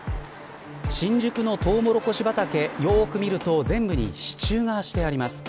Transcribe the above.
新宿のトウモロコシ畑よく見ると全部に支柱がしてあります。